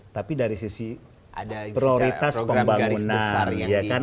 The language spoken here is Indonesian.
tapi dari sisi prioritas pembangunan